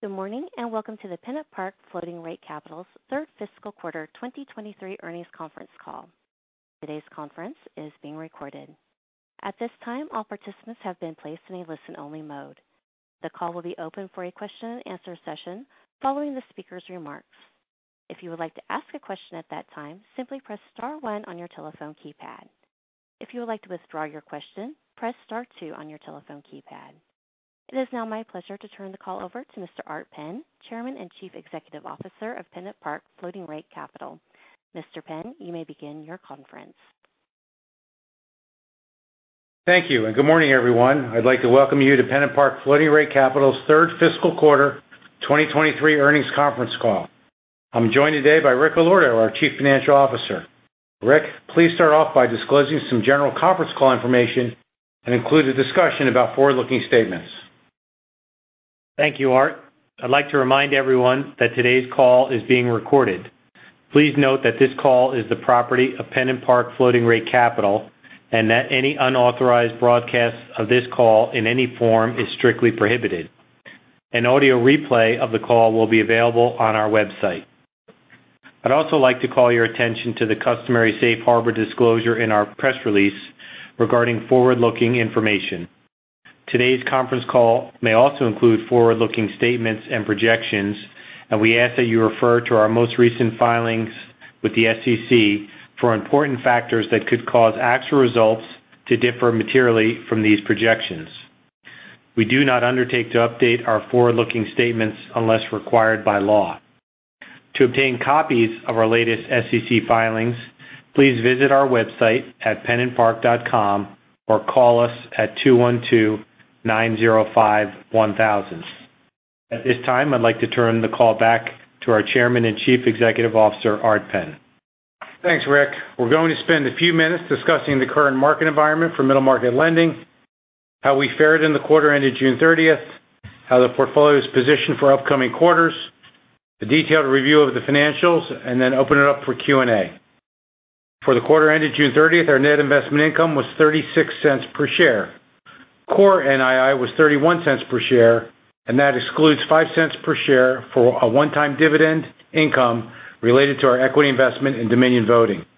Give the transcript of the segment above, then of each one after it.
Good morning, welcome to the PennantPark Floating Rate Capital's third fiscal quarter 2023 earnings conference call. Today's conference is being recorded. At this time, all participants have been placed in a listen-only mode. The call will be open for a question-and-answer session following the speaker's remarks. If you would like to ask a question at that time, simply press star one on your telephone keypad. If you would like to withdraw your question, press star two on your telephone keypad. It is now my pleasure to turn the call over to Mr. Art Penn, Chairman and Chief Executive Officer of PennantPark Floating Rate Capital. Mr. Penn, you may begin your conference. Thank you. Good morning, everyone. I'd like to welcome you to PennantPark Floating Rate Capital's third fiscal quarter 2023 earnings conference call. I'm joined today by Rick Allorto, our Chief Financial Officer. Rick, please start off by disclosing some general conference call information and include a discussion about forward-looking statements. Thank you, Art. I'd like to remind everyone that today's call is being recorded. Please note that this call is the property of PennantPark Floating Rate Capital and that any unauthorized broadcast of this call in any form is strictly prohibited. An audio replay of the call will be available on our website. I'd also like to call your attention to the customary safe harbor disclosure in our press release regarding forward-looking information. Today's conference call may also include forward-looking statements and projections. We ask that you refer to our most recent filings with the SEC for important factors that could cause actual results to differ materially from these projections. We do not undertake to update our forward-looking statements unless required by law. To obtain copies of our latest SEC filings, please visit our website at pennantpark.com or call us at 212-905-1000. At this time, I'd like to turn the call back to our Chairman and Chief Executive Officer, Art Penn. Thanks, Rick. We're going to spend a few minutes discussing the current market environment for middle-market lending, how we fared in the quarter ended June 30th, how the portfolio is positioned for upcoming quarters, a detailed review of the financials, and then open it up for Q&A. For the quarter ended June 30th, our net investment income was $0.36 per share. Core NII was $0.31 per share, and that excludes $0.05 per share for a one-time dividend income related to our equity investment in Dominion Voting Systems.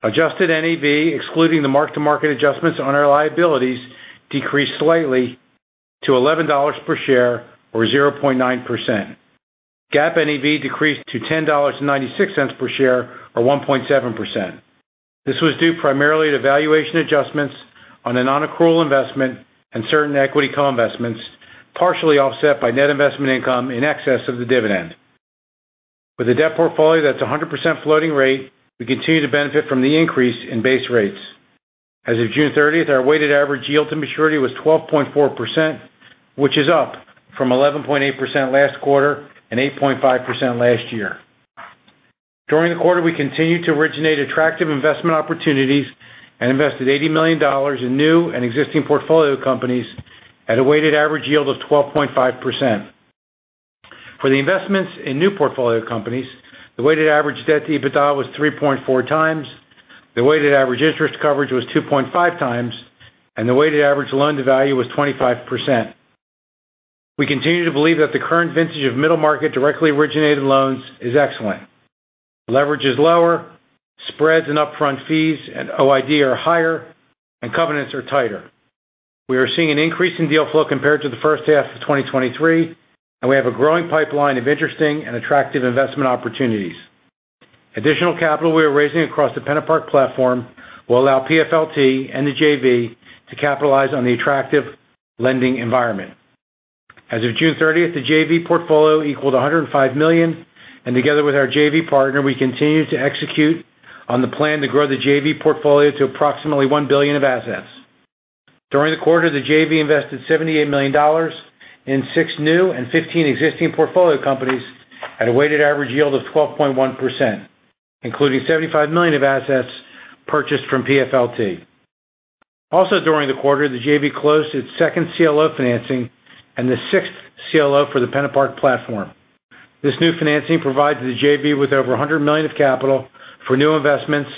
Adjusted NAV, excluding the mark-to-market adjustments on our liabilities, decreased slightly to $11 per share or 0.9%. GAAP NAV decreased to $10.96 per share or 1.7%. This was due primarily to valuation adjustments on a non-accrual investment and certain equity co-investments, partially offset by net investment income in excess of the dividend. With a debt portfolio that's 100% floating rate, we continue to benefit from the increase in base rates. As of June 30th, our weighted average yield to maturity was 12.4%, which is up from 11.8% last quarter and 8.5% last year. During the quarter, we continued to originate attractive investment opportunities and invested $80 million in new and existing portfolio companies at a weighted average yield of 12.5%. For the investments in new portfolio companies, the weighted average debt to EBITDA was 3.4x, the weighted average interest coverage was 2.5x, and the weighted average loan to value was 25%. We continue to believe that the current vintage of middle-market directly originated loans is excellent. Leverage is lower, spreads and upfront fees and OID are higher, and covenants are tighter. We are seeing an increase in deal flow compared to the first half of 2023. We have a growing pipeline of interesting and attractive investment opportunities. Additional capital we are raising across the PennantPark platform will allow PFLT and the JV to capitalize on the attractive lending environment. As of June 30th, the JV portfolio equaled $105 million. Together with our JV partner, we continue to execute on the plan to grow the JV portfolio to approximately $1 billion of assets. During the quarter, the JV invested $78 million in 6 new and 15 existing portfolio companies at a weighted average yield of 12.1%, including $75 million of assets purchased from PFLT. During the quarter, the JV closed its second CLO financing and the sixth CLO for the PennantPark platform. This new financing provides the JV with over $100 million of capital for new investments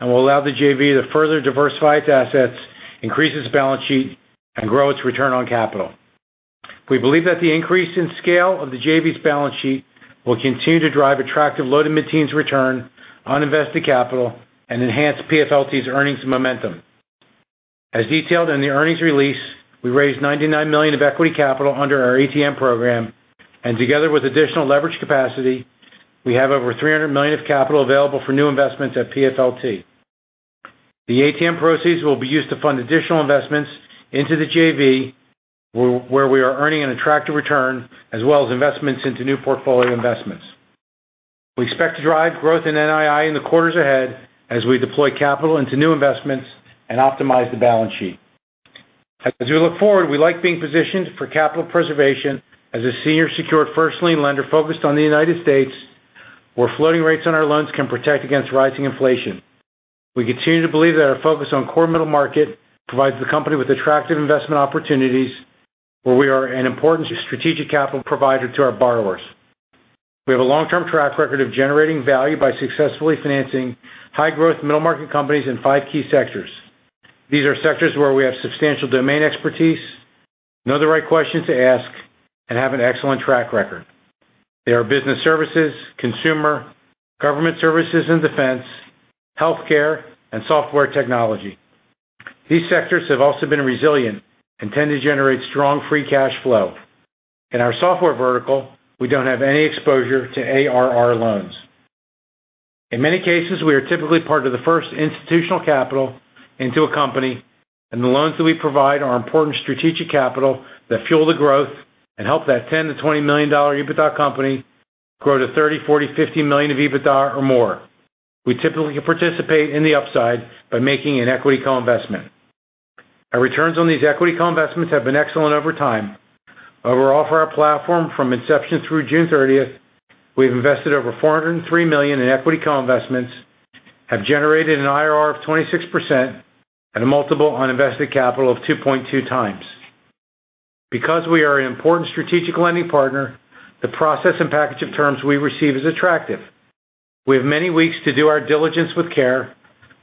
and will allow the JV to further diversify its assets, increase its balance sheet, and grow its return on capital. We believe that the increase in scale of the JV's balance sheet will continue to drive attractive low-to-mid-teens return on invested capital and enhance PFLT's earnings and momentum. As detailed in the earnings release, we raised $99 million of equity capital under our ATM program. Together with additional leverage capacity, we have over $300 million of capital available for new investments at PFLT. The ATM proceeds will be used to fund additional investments into the JV, where we are earning an attractive return, as well as investments into new portfolio investments. We expect to drive growth in NII in the quarters ahead as we deploy capital into new investments and optimize the balance sheet. As we look forward, we like being positioned for capital preservation as a senior secured first lien lender focused on the United States, where floating rates on our loans can protect against rising inflation. We continue to believe that our focus on core middle market provides the company with attractive investment opportunities where we are an important strategic capital provider to our borrowers. We have a long-term track record of generating value by successfully financing high-growth middle-market companies in five key sectors. These are sectors where we have substantial domain expertise, know the right questions to ask, and have an excellent track record. They are business services, consumer, government services and defense, healthcare, and software technology. These sectors have also been resilient and tend to generate strong free cash flow. In our software vertical, we don't have any exposure to ARR loans. In many cases, we are typically part of the first institutional capital into a company, and the loans that we provide are important strategic capital that fuel the growth and help that $10 million-$20 million EBITDA company grow to $30 million, $40 million, $50 million of EBITDA or more. We typically participate in the upside by making an equity co-investment. Our returns on these equity co-investments have been excellent over time. Overall, for our platform, from inception through June 30th, we've invested over $403 million in equity co-investments, have generated an IRR of 26% and a multiple on invested capital of 2.2x. Because we are an important strategic lending partner, the process and package of terms we receive is attractive. We have many weeks to do our diligence with care.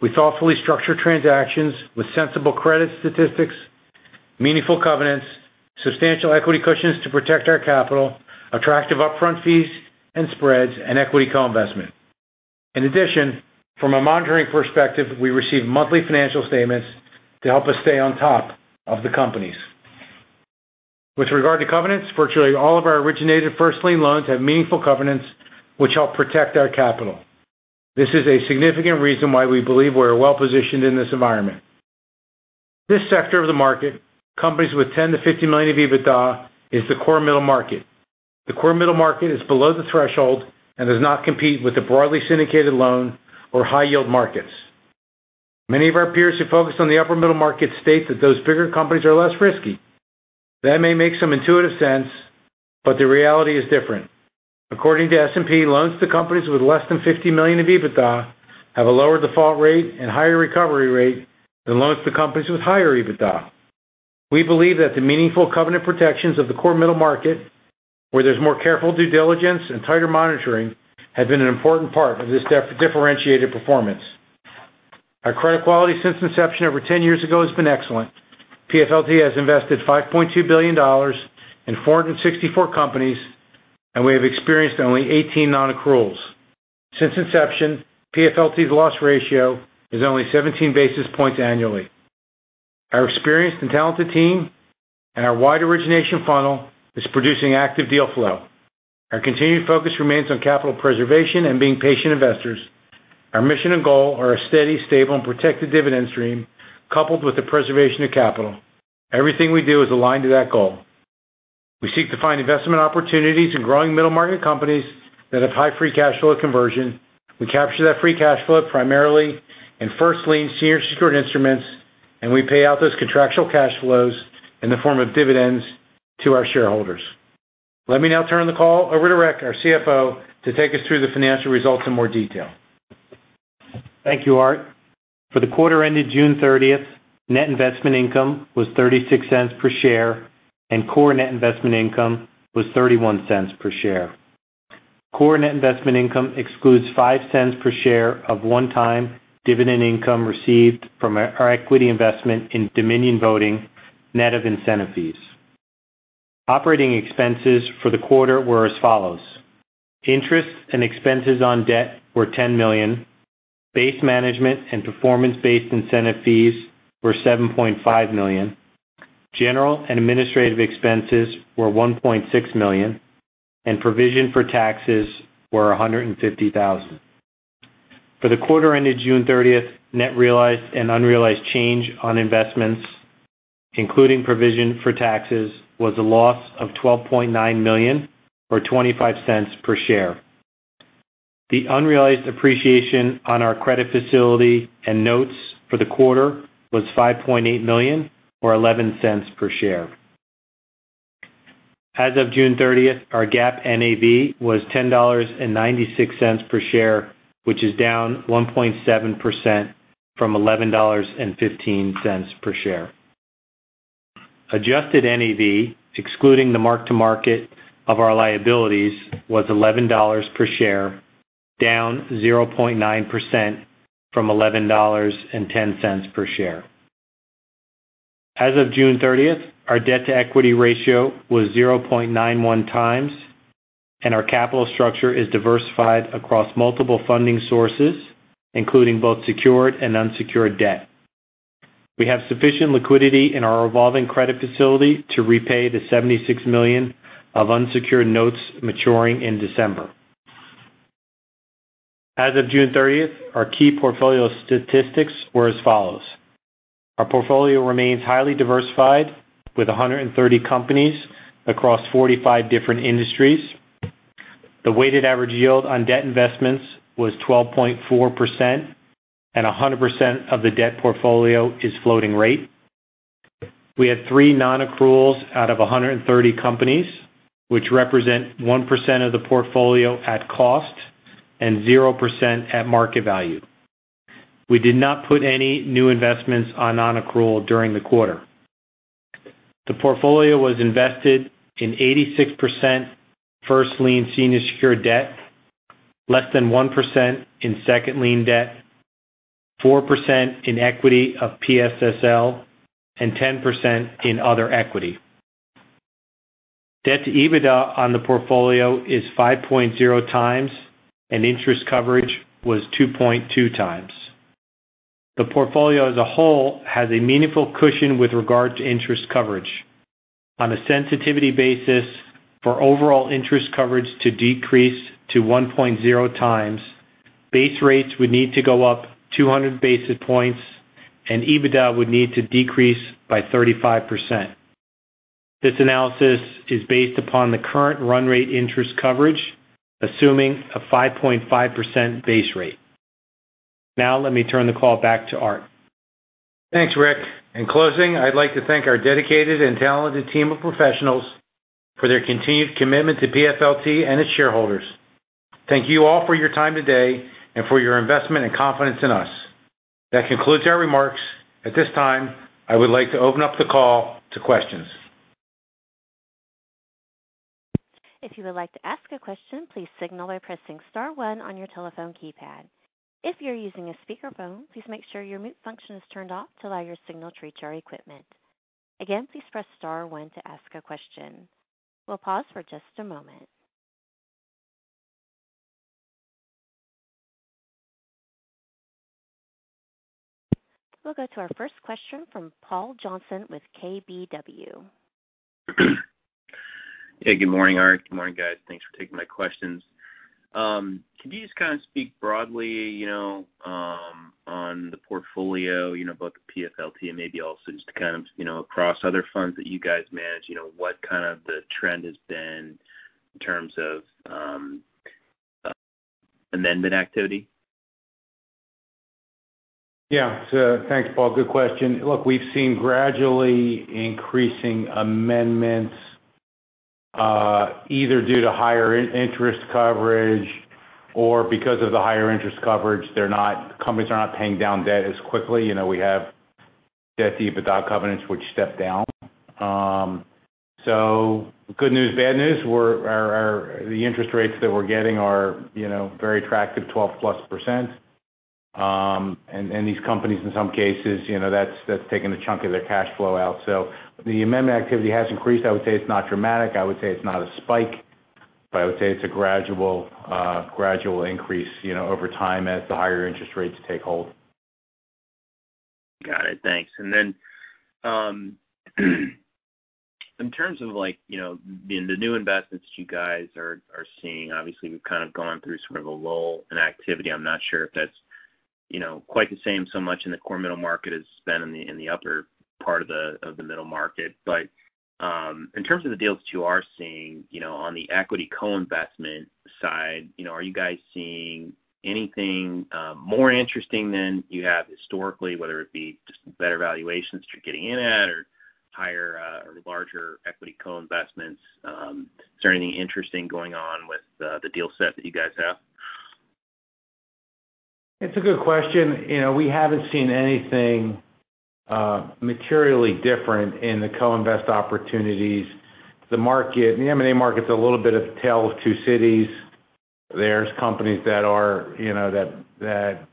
We thoughtfully structure transactions with sensible credit statistics, meaningful covenants, substantial equity cushions to protect our capital, attractive upfront fees and spreads, and equity co-investment. In addition, from a monitoring perspective, we receive monthly financial statements to help us stay on top of the companies. With regard to covenants, virtually all of our originated first lien loans have meaningful covenants which help protect our capital. This is a significant reason why we believe we are well-positioned in this environment. This sector of the market, companies with $10 million-$50 million of EBITDA, is the core middle market. The core middle market is below the threshold and does not compete with the broadly syndicated loan or high yield markets. Many of our peers who focus on the upper middle market state that those bigger companies are less risky. That may make some intuitive sense, but the reality is different. According to S&P, loans to companies with less than $50 million of EBITDA have a lower default rate and higher recovery rate than loans to companies with higher EBITDA. We believe that the meaningful covenant protections of the core middle market, where there's more careful due diligence and tighter monitoring, have been an important part of this differentiated performance. Our credit quality since inception over 10 years ago, has been excellent. PFLT has invested $5.2 billion in 464 companies, and we have experienced only 18 nonaccruals. Since inception, PFLT's loss ratio is only 17 basis points annually. Our experienced and talented team and our wide origination funnel is producing active deal flow. Our continued focus remains on capital preservation and being patient investors. Our mission and goal are a steady, stable, and protected dividend stream, coupled with the preservation of capital. Everything we do is aligned to that goal. We seek to find investment opportunities in growing middle-market companies that have high free cash flow conversion. We capture that free cash flow primarily in first lien, senior secured instruments, and we pay out those contractual cash flows in the form of dividends to our shareholders. Let me now turn the call over to Rick, our CFO, to take us through the financial results in more detail. Thank you, Art. For the quarter ended June thirtieth, net investment income was $0.36 per share, and core net investment income was $0.31 per share. Core net investment income excludes $0.05 per share of one-time dividend income received from our equity investment in Dominion Voting, net of incentive fees. Operating expenses for the quarter were as follows: interest and expenses on debt were $10 million, base management and performance-based incentive fees were $7.5 million, general and administrative expenses were $1.6 million, and provision for taxes were $150,000. For the quarter ended June thirtieth, net realized and unrealized change on investments, including provision for taxes, was a loss of $12.9 million or $0.25 per share. The unrealized appreciation on our credit facility and notes for the quarter was $5.8 million, or $0.11 per share. As of June thirtieth, our GAAP NAV was $10.96 per share, which is down 1.7% from $11.15 per share. Adjusted NAV, excluding the mark-to-market of our liabilities, was $11 per share, down 0.9% from $11.10 per share. As of June thirtieth, our debt-to-equity ratio was 0.91 times. Our capital structure is diversified across multiple funding sources, including both secured and unsecured debt. We have sufficient liquidity in our revolving credit facility to repay the $76 million of unsecured notes maturing in December. As of June thirtieth, our key portfolio statistics were as follows: Our portfolio remains highly diversified, with 130 companies across 45 different industries. The weighted average yield on debt investments was 12.4%, and 100% of the debt portfolio is floating rate. We had three nonaccruals out of 130 companies, which represent 1% of the portfolio at cost and 0% at market value. We did not put any new investments on nonaccrual during the quarter. The portfolio was invested in 86% first lien senior secured debt, less than 1% in second lien debt, 4% in equity of PSSL, and 10% in other equity. Debt to EBITDA on the portfolio is 5.0 times, and interest coverage was 2.2 times. The portfolio as a whole has a meaningful cushion with regard to interest coverage. On a sensitivity basis, for overall interest coverage to decrease to 1.0 times, base rates would need to go up 200 basis points, and EBITDA would need to decrease by 35%. This analysis is based upon the current run rate interest coverage, assuming a 5.5% base rate. Now, let me turn the call back to Art. Thanks, Rick. In closing, I'd like to thank our dedicated and talented team of professionals for their continued commitment to PFLT and its shareholders. Thank you all for your time today and for your investment and confidence in us. That concludes our remarks. At this time, I would like to open up the call to questions. If you would like to ask a question, please signal by pressing star one on your telephone keypad. If you're using a speakerphone, please make sure your mute function is turned off to allow your signal to reach our equipment. Again, please press star one to ask a question. We'll pause for just a moment. We'll go to our first question from Paul Johnson with KBW. Hey, good morning, Art. Good morning, guys. Thanks for taking my questions. Could you just kind of speak broadly, you know, on the portfolio, you know, both the PFLT and maybe also just to kind of, you know, across other funds that you guys manage, you know, what kind of the trend has been in terms of amendment activity? Yeah. Thanks, Paul. Good question. Look, we've seen gradually increasing amendments, either due to higher in-interest coverage or because of the higher interest coverage, they're not companies are not paying down debt as quickly. You know, we have debt to EBITDA covenants, which step down. Good news, bad news, we're our, our, the interest rates that we're getting are, you know, very attractive, 12+%. And, and these companies, in some cases, you know, that's, that's taking a chunk of their cash flow out. The amendment activity has increased. I would say it's not dramatic. I would say it's not a spike, but I would say it's a gradual, gradual increase, you know, over time as the higher interest rates take hold. Got it. Thanks. Then, in terms of like, you know, in the new investments you guys are, are seeing, obviously, we've kind of gone through sort of a lull in activity. I'm not sure if that's, you know, quite the same so much in the core middle market as it's been in the, in the upper part of the, of the middle market. In terms of the deals that you are seeing, you know, on the equity co-investment side, you know, are you guys seeing anything more interesting than you have historically, whether it be just better valuations that you're getting in at or higher or larger equity co-investments? Is there anything interesting going on with the, the deal set that you guys have? It's a good question. You know, we haven't seen anything, materially different in the co-invest opportunities. The market, the M&A market's a little bit of a tale of two cities. There's companies that are, you know,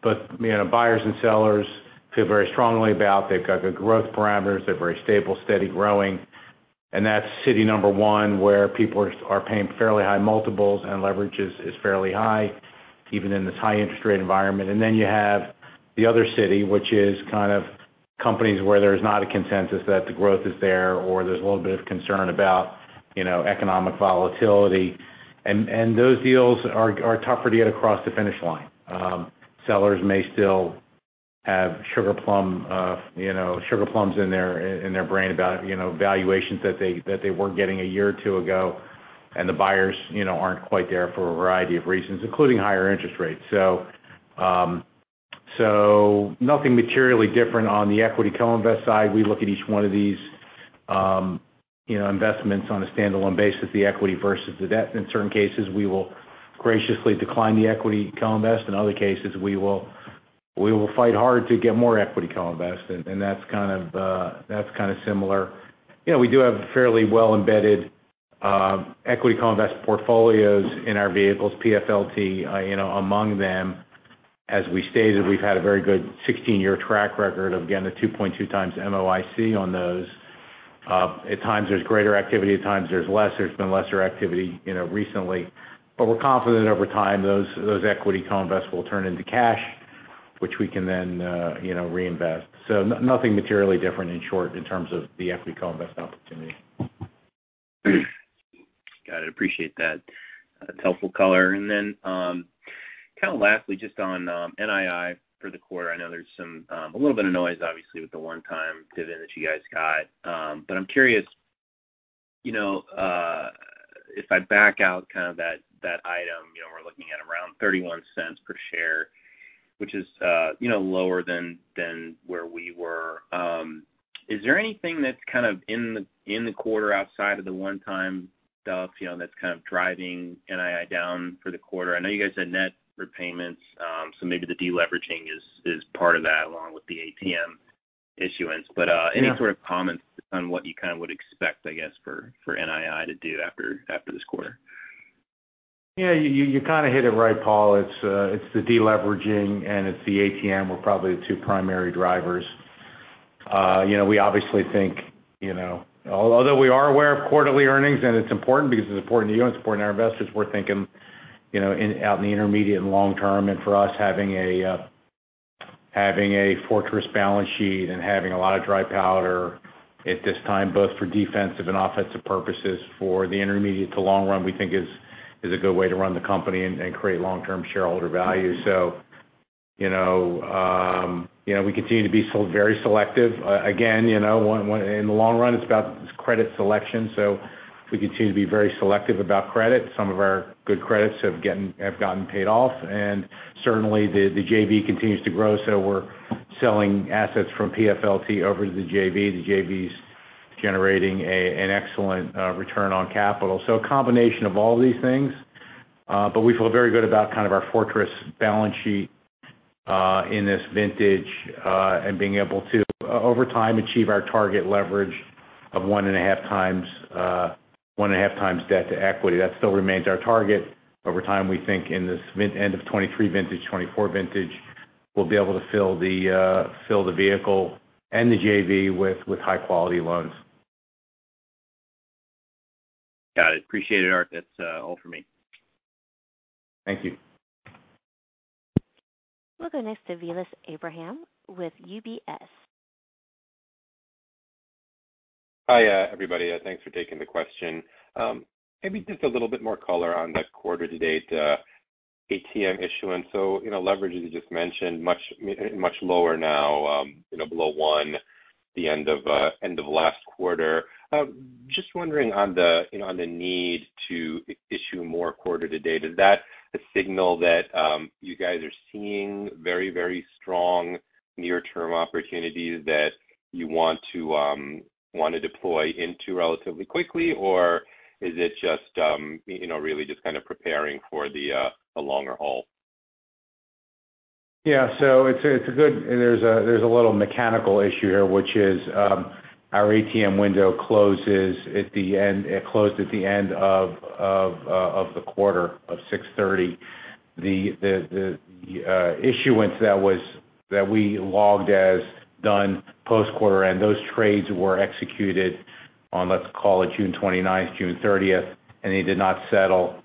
but, you know, buyers and sellers feel very strongly about. They've got good growth parameters. They're very stable, steady growing. That's city number one, where people are, are paying fairly high multiples and leverage is, is fairly high, even in this high interest rate environment. Then you have the other city, which is kind of companies where there's not a consensus that the growth is there, or there's a little bit of concern about, you know, economic volatility. And those deals are, are tougher to get across the finish line. Sellers may still have sugar plum, you know, sugar plums in their, in their brain about, you know, valuations that they, that they were getting a year or two ago, and the buyers, you know, aren't quite there for a variety of reasons, including higher interest rates. Nothing materially different on the equity co-invest side. We look at each one of these, you know, investments on a standalone basis, the equity versus the debt. In certain cases, we will graciously decline the equity co-invest. In other cases, we will, we will fight hard to get more equity co-invest, and, and that's kind of, that's kind of similar. You know, we do have fairly well-embedded, equity co-invest portfolios in our vehicles, PFLT, you know, among them. As we stated, we've had a very good 16-year track record of, again, a 2.2 times MOIC on those. At times there's greater activity, at times there's less. There's been lesser activity, you know, recently. We're confident over time, those, those equity co-invests will turn into cash, which we can then, you know, reinvest. So nothing materially different, in short, in terms of the equity co-invest opportunity. Got it. Appreciate that. That's helpful color. Kind of lastly, just on NII for the quarter, I know there's some a little bit of noise, obviously, with the one-time dividend that you guys got. I'm curious, you know, if I back out kind of that, that item, you know, we're looking at around $0.31 per share, which is, you know, lower than, than where we were. Is there anything that's kind of in the, in the quarter outside of the one-time stuff, you know, that's kind of driving NII down for the quarter? I know you guys said net repayments, maybe the deleveraging is, is part of that, along with the ATM issuance. Yeah. any sort of comments on what you kind of would expect, I guess, for, for NII to do after, after this quarter? Yeah, you, you kind of hit it right, Paul. It's, it's the deleveraging and it's the ATM. We're probably the two primary drivers. You know, we obviously think, you know, although we are aware of quarterly earnings, and it's important because it's important to you and it's important to our investors, we're thinking, you know, in, out in the intermediate and long term. For us, having a, having a fortress balance sheet and having a lot of dry powder at this time, both for defensive and offensive purposes, for the intermediate to long run, we think is, is a good way to run the company and, and create long-term shareholder value. You know, you know, we continue to be so very selective. Again, you know, in the long run, it's about credit selection. We continue to be very selective about credit. Some of our good credits have gotten, have gotten paid off, and certainly the JV continues to grow, so we're selling assets from PFLT over to the JV. The JV is generating an excellent return on capital. A combination of all these things, but we feel very good about kind of our fortress balance sheet in this vintage, and being able to, over time, achieve our target leverage of 1.5x, 1.5x debt to equity. That still remains our target. Over time, we think in this mid-end of 2023 vintage, 2024 vintage, we'll be able to fill the vehicle and the JV with high-quality loans. Got it. Appreciate it, Art. That's all for me. Thank you. We'll go next to Vilas Abraham with UBS. Hi, everybody, thanks for taking the question. Maybe just a little bit more color on the quarter-to-date ATM issuance. You know, leverage, as you just mentioned, much, much lower now, you know, below 1, the end of last quarter. Just wondering on the, you know, on the need to issue more quarter to date, is that a signal that you guys are seeing very, very strong near-term opportunities that you want to want to deploy into relatively quickly? Is it just, you know, really just kind of preparing for the longer haul? Yeah. It's a, it's a good, there's a little mechanical issue here, which is, our ATM window closes at the end. It closed at the end of the quarter, of 6/30. The, the, the issuance that was, that we logged as done post-quarter and those trades were executed on, let's call it June 29th, June 30th, and they did not settle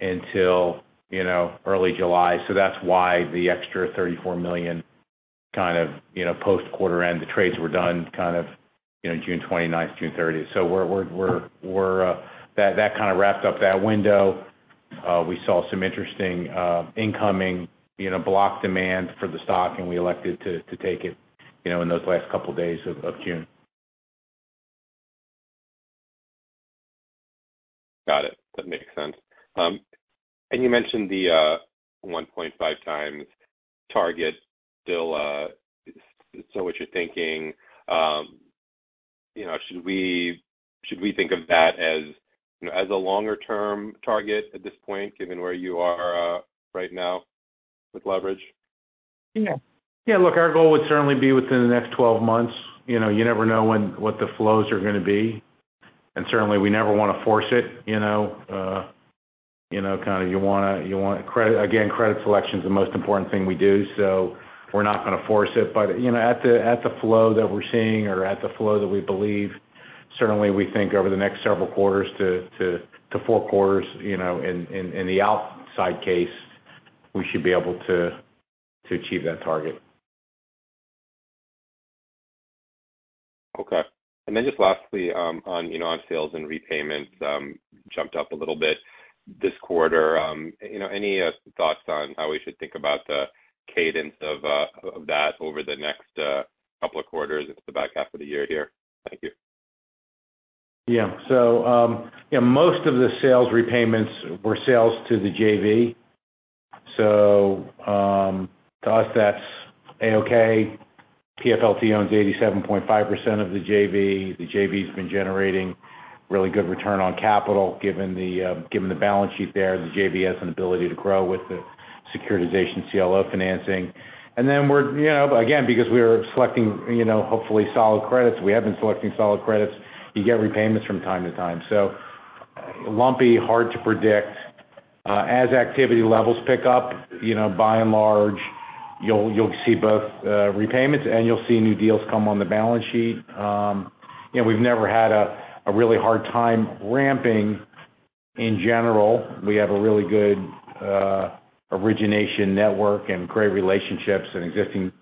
until, you know, early July. That's why the extra $34 million kind of, you know, post-quarter end, the trades were done kind of, you know, June 29th, June 30th. We're, we're, we're, that, that kind of wrapped up that window. We saw some interesting, incoming, you know, block demand for the stock, and we elected to, to take it, you know, in those last couple of days of, of June. Got it. That makes sense. You mentioned the 1.5x target still, what you're thinking, you know, should we, should we think of that as, you know, as a longer-term target at this point, given where you are right now with leverage? Yeah. Yeah, look, our goal would certainly be within the next 12 months. You know, you never know when, what the flows are gonna be, and certainly, we never wanna force it, you know, you know, kind of you wanna, you want credit, again, credit selection is the most important thing we do, so we're not gonna force it. You know, at the, at the flow that we're seeing or at the flow that we believe, certainly we think over the next several quarters to 4 quarters, you know, in, in, in the outside case, we should be able to, to achieve that target. Okay. Then just lastly, on, you know, on sales and repayments, jumped up a little bit this quarter. You know, any thoughts on how we should think about the cadence of that over the next couple of quarters into the back half of the year here? Thank you. Yeah, most of the sales repayments were sales to the JV. To us, that's AOK. PFLT owns 87.5% of the JV. The JV has been generating really good return on capital. Given the, given the balance sheet there, the JV has an ability to grow with the securitization CLO financing. Then we're, you know, again, because we are selecting, you know, hopefully solid credits, we have been selecting solid credits, you get repayments from time to time. Lumpy, hard to predict. As activity levels pick up, you know, by and large, you'll, you'll see both repayments, and you'll see new deals come on the balance sheet. You know, we've never had a, a really hard time ramping in general. We have a really good origination network and great relationships, and existing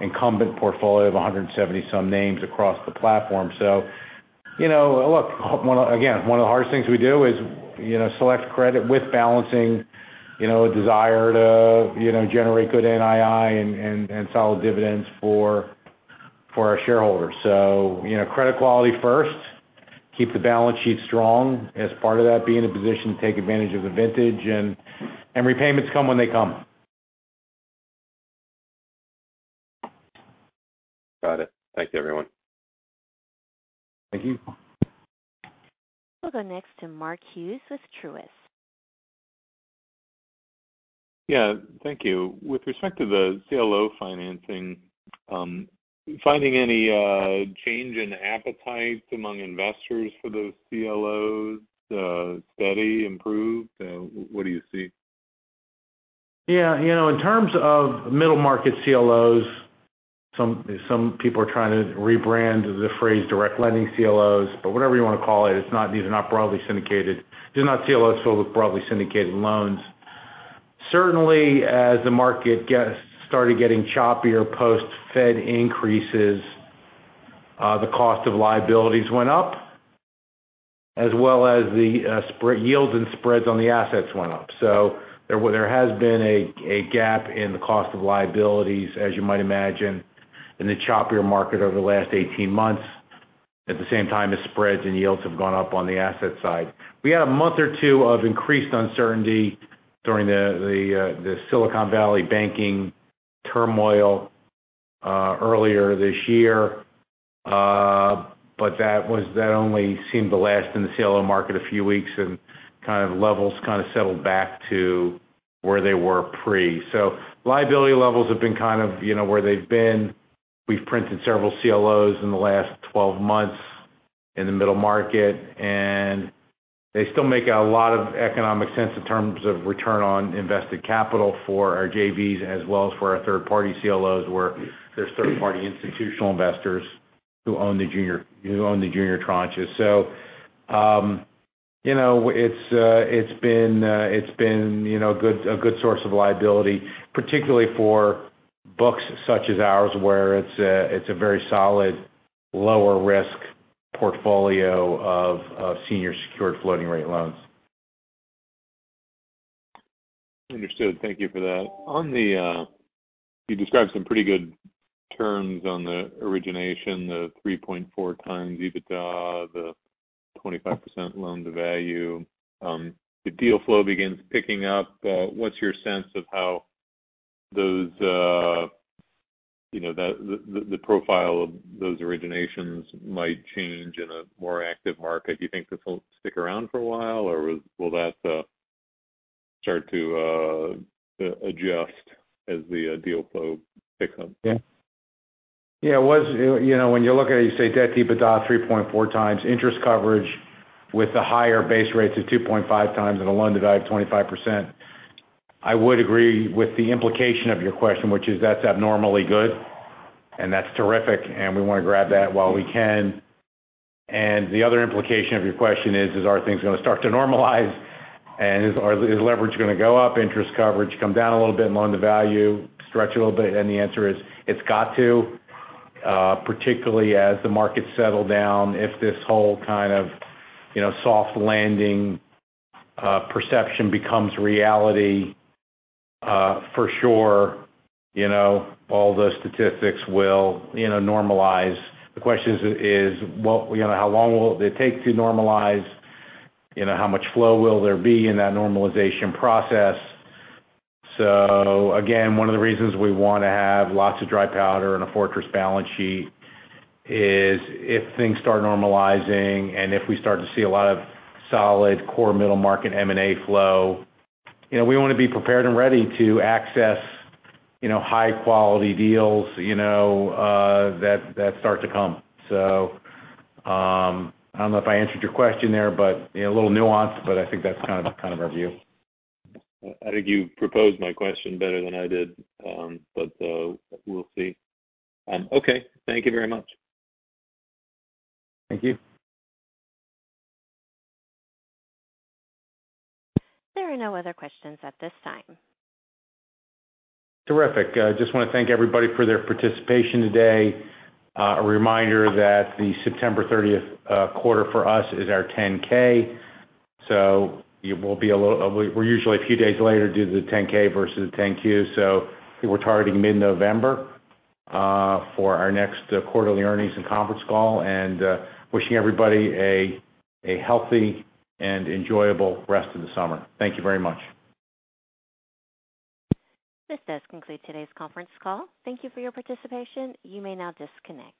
incumbent portfolio of 170 some names across the platform. You know, look, one of... Again, one of the hardest things we do is, you know, select credit with balancing, you know, a desire to, you know, generate good NII and, and, and solid dividends for, for our shareholders. You know, credit quality first, keep the balance sheet strong. As part of that, be in a position to take advantage of the vintage and, and repayments come when they come. Got it. Thanks, everyone. Thank you. We'll go next to Mark Hughes with Truist. Yeah, thank you. With respect to the CLO financing, finding any change in appetite among investors for those CLOs, steady, improved? What do you see? Yeah, you know, in terms of middle market CLOs, some, some people are trying to rebrand the phrase direct lending CLOs. Whatever you want to call it, it's not, these are not broadly syndicated. They're not CLOs filled with broadly syndicated loans. Certainly, as the market gets-- started getting choppier, post-Fed increases, the cost of liabilities went up, as well as the spread-- yields and spreads on the assets went up. There, there has been a, a gap in the cost of liabilities, as you might imagine, in the choppier market over the last 18 months. At the same time, the spreads and yields have gone up on the asset side. We had a month or two of increased uncertainty during the, the, the Silicon Valley banking turmoil, earlier this year. That was, that only seemed to last in the CLO market a few weeks, and kind of levels kind of settled back to where they were pre. Liability levels have been kind of, you know, where they've been. We've printed several CLOs in the last 12 months in the middle market, and they still make a lot of economic sense in terms of return on invested capital for our JVs, as well as for our third-party CLOs, where there's third-party institutional investors who own the junior, who own the junior tranches. You know, it's been, it's been, you know, a good, a good source of liability, particularly for books such as ours, where it's a, it's a very solid, lower risk portfolio of, of senior secured floating rate loans. Understood. Thank you for that. On the... You described some pretty good terms on the origination, the 3.4x EBITDA, the 25% loan-to-value. The deal flow begins picking up. What's your sense of how those, you know, the, the, the profile of those originations might change in a more active market? Do you think this will stick around for a while, or will that start to adjust as the deal flow picks up? Yeah. Yeah, it was, you know, when you look at it, you say debt EBITDA 3.4x interest coverage with the higher base rates is 2.5x, the loan-to-value, 25%. I would agree with the implication of your question, which is that's abnormally good, and that's terrific, and we want to grab that while we can. The other implication of your question is, are things going to start to normalize? Is leverage going to go up, interest coverage come down a little bit, and loan to value stretch a little bit? The answer is: It's got to. Particularly as the markets settle down, if this whole kind of, you know, soft landing, perception becomes reality, for sure, you know, all those statistics will, normalize. The question is, what, you know, how long will it take to normalize? You know, how much flow will there be in that normalization process? Again, one of the reasons we want to have lots of dry powder and a fortress balance sheet is, if things start normalizing and if we start to see a lot of solid core middle-market M&A flow, you know, we want to be prepared and ready to access, you know, high-quality deals, you know, that, that start to come. I don't know if I answered your question there, but a little nuanced, but I think that's kind of, kind of our view. I think you proposed my question better than I did. We'll see. Okay. Thank you very much. Thank you. There are no other questions at this time. Terrific. Just want to thank everybody for their participation today. A reminder that the September 30th quarter for us is our 10-K. It will be we're usually a few days later, due to the 10-K versus the 10-Q. We're targeting mid-November for our next quarterly earnings and conference call, and wishing everybody a healthy and enjoyable rest of the summer. Thank you very much. This does conclude today's conference call. Thank you for your participation. You may now disconnect.